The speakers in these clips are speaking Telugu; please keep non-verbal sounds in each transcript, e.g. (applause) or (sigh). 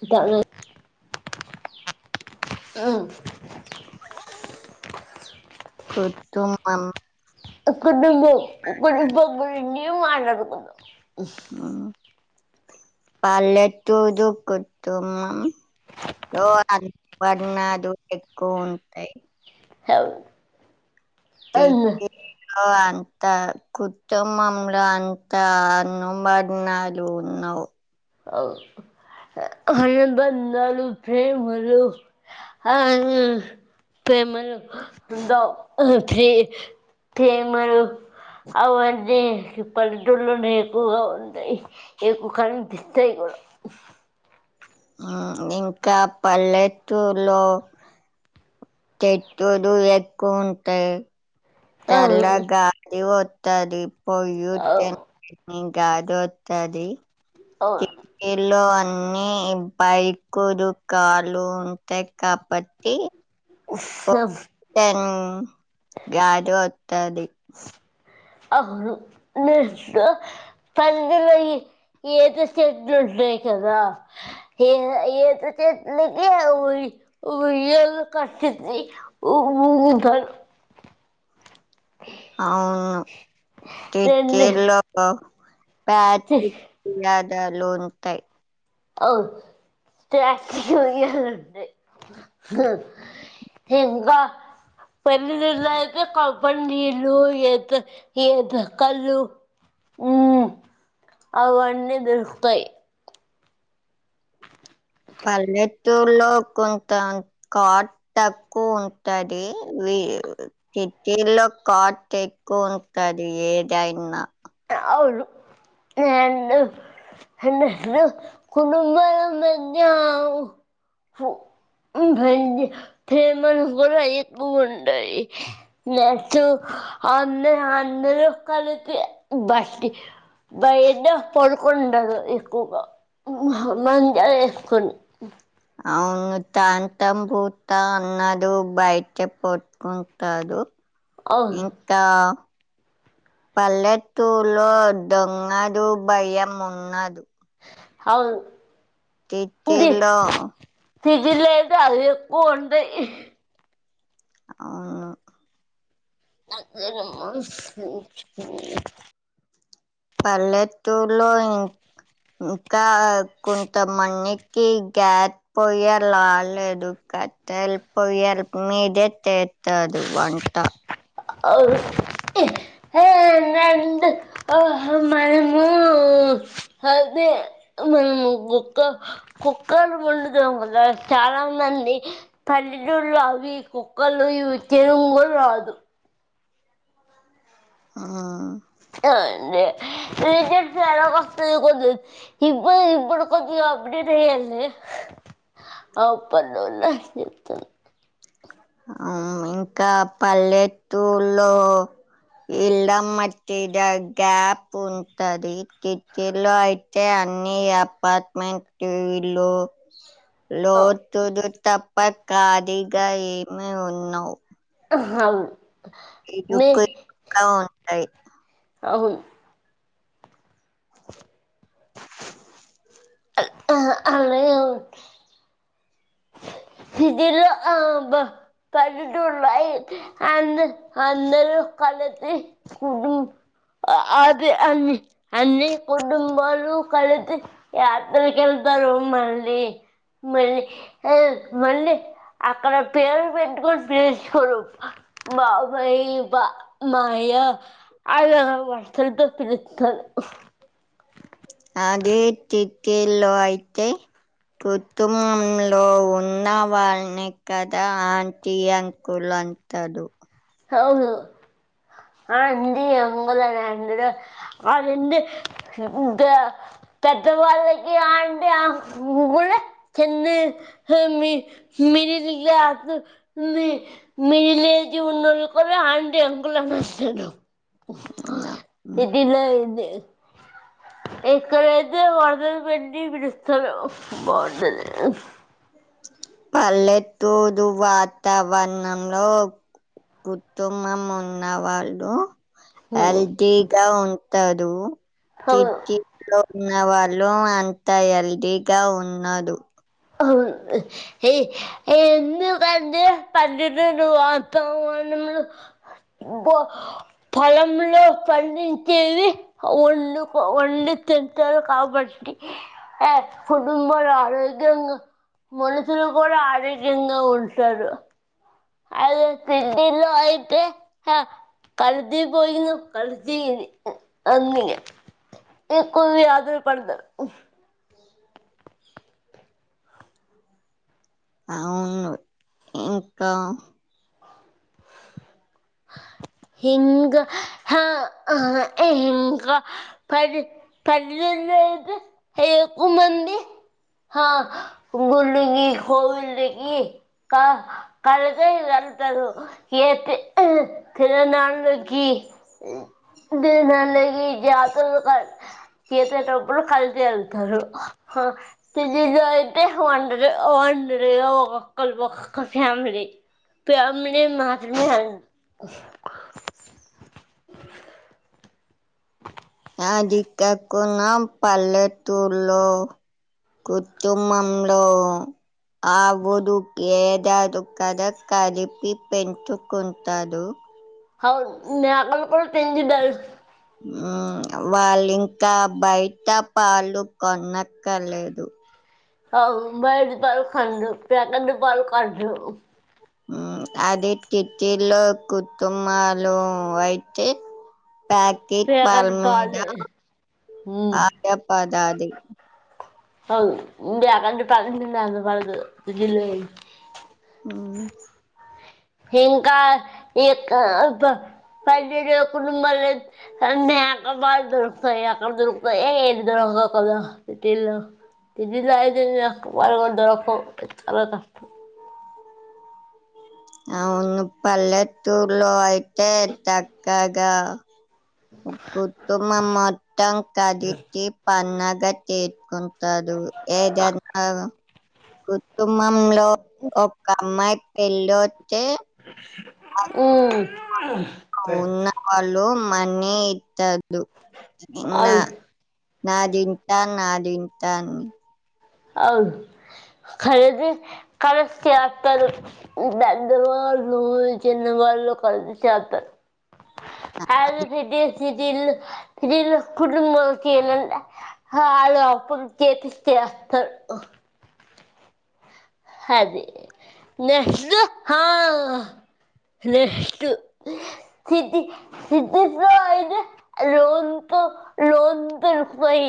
త్తది మ్ కుతుమన్ (unintelligible) ఇంకేం మటడుకుందం మ్ పళ్ళేటురు కుటుంబం అ పర్ణలు ఎక్కువుంటై అవు సిటీలో అం కుటుంబంలో అంతా అన్నం పడినాాలు ఉన్నావు్ అ బలు ప్రేమ ఆ ప్రేమలు ఉందా ప్రే ప్రేమలు అవన్నీ పల్లెటూలోనే ఎక్కువగా ఉందియి ఎక్కువ కర స్్రయగడు ఇంకా పల్లెటూ లో చెట్టులు ఎక్కువ ఉంటాయి తెల అవును గగాలి ఒతది పోయి్య అవును కాదు వస్తుదిలో అ అన్ని బైకురు కాలు ఉంటాయి కాబట్టి చె గజ ఒట్టది అవును ని ప లో ఏద చెట్లు ఉంటన్నాయి కదా ఏ ఏ చెట్లకిఊ ఉయల కట్టఊ ముముద అ టక రెండు లో ప లోన్ంతాయి అవును స్డి ఎకా పలీ దలాతే కపం నిలు ఎ ఎ కలు అన్న దర్తయి పల్లెటూరులో కొంత కాట్ తక్కువ ఉంటది సిటీలో కాట్ ఎక్కువ ఉంటది ఏదైనా అవును నను న్న కును మరమ ఫే మన కూడాయికు ఉడాయి మచ అన్న అందర కాలకి భస్టి భయడ్ పొడుకుంండదు ఇకుగా మజసుకుని అవును తాంతం పూతా అన్నడు బయట పట్టుకుంటాడు అవును ఇంకా పల్లెతుూలో దొంగదు భయయం ఉన్నదు అవును ట్లో ఫిజిలది అది ఎ పోంట ఆవు అ పల్లెటూర్లో ఇ ఇంకా కొంత మందికి గ్యాప్ పోయే లాాల లేదు కట్టలు పొయ్యాల మీదే తెస్తదు వంట అవుఔ హే నంద అహ మైము అదే మన కుక్క కుక్క ముందు జ క చాలా మంది పల్లెటూళ్ు అవి కుక్కలు ఇవి తెలుంగులు రాదు ఆ అే ఇప్పు ఇప్పుడు కొంచ అప్పుడ రల్ అప్పు ను చెప్తు ఇంకా పల్లెటూల్లో ఇళ్ల మతిద గ్యాప్ ఉంటది. కిటకిలో అయితే, అన్ని అపార్ట్మెంట్ లో లోతుడు తప్ప ఖాళీగా ఏమి ఉన్నవ్? అహ ఇరుకు ఇరుగా ఉంటాయి. అవున్. అ అహ్ అలాగే ఉన్ సిటీలో ఆ అబ్బ పల్లెటూర్లో అయితే అందరు, అందరూ కలిసి కుటుంబ అ అది అన్ని, అన్ని కుటుంబాలు కలితి యాపిల్ కాయలు దాలు మల్లి, మళ్లీ హే మళ్ళీ అక్కడ పేరు పెట్టుకొని పిలుచుకోరు, బాబాయ్ ఇల్లి బా మాయా అలా వరుసలతో పిలుత్తారు. కీల్లో అయితే, కుటుంబంలో ఉన్న వాళ్ళని కదా ఆంటీ, అంకుల్ అంటాడు. అవును. ఆ అండి అంకుల్ అని అంటడు. వాడుండి గా పెద్ద వాళ్లకి ఆంటీ అహ్ కులే. చిన్న మీ మిడిల్ క్లాస్, మీ, మిడిల్ ఏజు ఉ నోళ్ళు కూడా ఆంటీ అంకుల్ అనే అంటారు సిటీలో అయితే ఇక్కడైతే వరుసలు పెట్టి పిలుస్తారు. బాంటది. పల్లెతుూదు వాతావరణంలో కుతుంబం ఉన్నవాళ్ళు, ఎల్దిగా ఉంటారు. అవును కిత్ కిత్ లో ఉన్న వాళ్ళు అంత ఎల్దీగా ఉన్నాడు. ఏ ఎందుకంతె పన్నెతూరు వాతావరణం లో బ పలంలో పండించేవి వండుకో, వండు తింతారు కాబట్టి. ఆ కుటుంబాల ఆరోగ్ గ్యంగ మనుషులు కూడా ఆరోగ్యంగా ఉంటారు. అదే సిటీలో అయితే హ కల్తీ పోయిన కల్తీవి అన్ని. ఎక్కువ వ్యాధులు పడదు. అవును. ఇంకా, హింగా హ అహ ఇహింగా పది పల్లెల్లో అయితే ఎక్కువమంది హ గుళ్ళు గీ కోవిళ్ళ కి కా కల్తది వెళ్తరు ఏపి అహ్ తిరునాళ్లకి, దినాల్లకి జాతర్లుకా చేసే తప్పుడు కలితే ఎళ్తారు. హ సిటీలో అయితే ఒంటరి ఒన్ ఒంటరిగా ఒకోక్కలు ఒకక్క ఫ్యామిలీ, ఫ్యామిలీ మాత్రమే ఎల్ అది కాకున్న పల్లెతూరులో, కుతుంబంలో ఆ డు ఏదది కదా కలిపి పెంచుకుంటాడు అ నక్కలు కూడా తీ వాళ్ళం ఇంకా బయట పాలు కొనక్కలేదు ఆవు బయి ద బాల కాదు ప్యాకడి బాల కదుో అది టిటీలో కుటుంబలు అయితే పాకెట్ ప్యాకెట్ పల్మేడ పాలే. హ్మ్. ఆడ పదదిి అవు ఇ అకంట ప అ పదు జ ఉమ్, ఇంకా ఇ ప ఒ కొ మళ్ళ అ నక బాగా దరుతయాక్క దరుత ఏ ఏ ఇద్దరంగా కద పెటీల్లో తిరిల మరగ చాల కష్టం అవును పల్లెత్తూర్లో అయితే చక్కగా కుటుమ మొత్తం కదిటి పన్నాగా తెకుంట దు ఏజ కుటుంబంలో ఒక అమ్మాయి పెళ్ళి వచ్చే ఓ అ ఉ నా వాళ్ళు మనీ ఇత్తదున్నా అవును నా తింటా నా తింటా అన్ని అవు కరేది కరస్ చేక్క దండవ లో జ కలు కదు చాలత అ ఫిది కుటుంబంకి ఏంటే వాళ్ళ అప్పులు చేపిస్తే వస్స్ అదే నా స్ స్ అయితే రన్ లోన్న్నాయి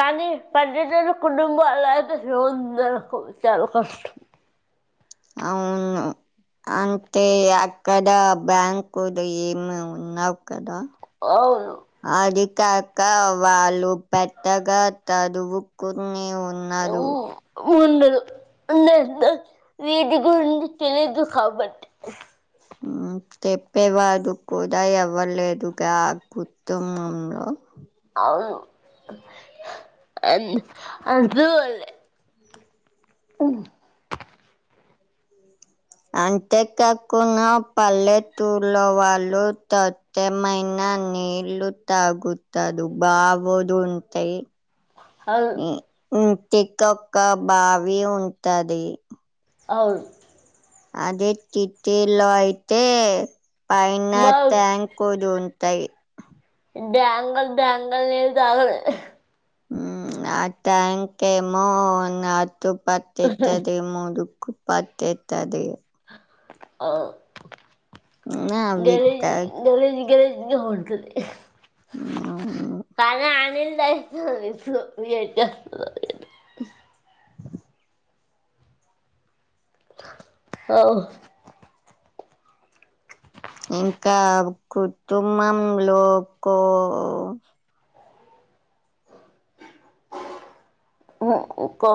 కానీ పర్యటన కుటుంబం అలా లోన్ అందకు వి చాల కష్టం అవును అంటే అక్కడ బ్యాంకులు ఏమి ఉన్నావు కదా అవును అజకా ఇకా వాళ్ళు పెద్దగా చదువుకుని ఉన్నారు ఉండదు ఉండ వీటి గురించి తెలీదు కాబట్టి చెప్పేవాడు కూడా ఎవ్వర్లేదుగా కుటుమంలో అ అందుల అఓ అంతే కాకున పల్లె తూలో వాళ్ళు తట్ట మైనా న నిల్లు తగుతుదు బావదు ఉంటై అవును ఇంటికి ఒక్క బావి ఉంటది అవు అద ట్ట లోయితే పైనా మా ట్యాంగ్ కొ అయి బాంగల్ బాంగల్ని తాగల్ టంకేమోతు పతి ఇట్టది మూడు కుపాతతది ఆ గణేజీ అవిత గణేజీ గణేజ ఇ ఉంటతు వు కానీ (unintelligible) ఓ ఇంకా కుటుంబంలో కో కో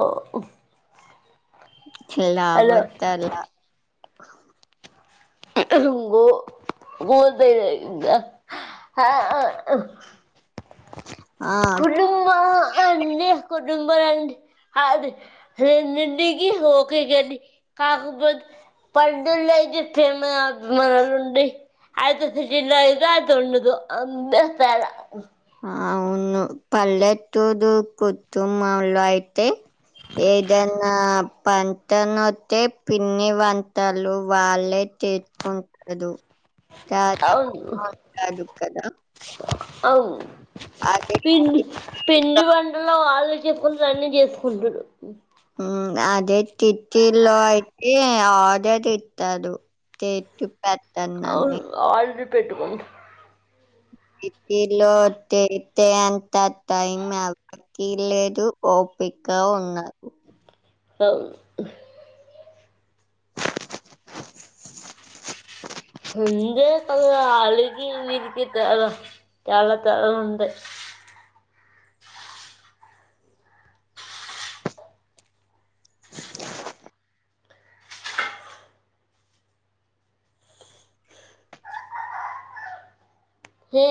చిల అవతల గో (unintelligible) ఆ ఆ కుటుంబంలో అన్ని నంబర్ అండి అది రెంటికి ఒకే గల్లి కాకపోతే పండుగలయితే ప్రేమ అభిమానాలు ఉండయి అయితే (unintelligible) అవును పల్లెటూరు కుటుంబంలో అయితే ఏదన్నా ఫంక్షన్ వస్తే పిండి వంటలు వాళ్లే చేసుకుంటారు అవును (unintelligible) కదా అవును అదే పిండి పిండి వంటలు వాళ్లే చేసుకుంటరు అన్నీ చేసుకుంటరు అదే సిటీలో అయితే ఆర్డర్ ఇస్తారు చేసు అవును ఆర్డర్ పెట్టుకుంటారు సిటీలో చేసే అంత టైం ఎవ్వరికీ లేదు ఓపిక కా ఉండదు అవును ఆ వీధికి ఈ వీధికి దూరం చాలా చాలా ఉంటది ఏ